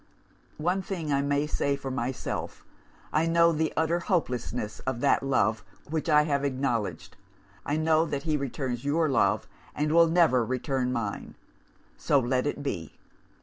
"'One thing I may say for myself. I know the utter hopelessness of that love which I have acknowledged. I know that he returns your love, and will never return mine. So let it be.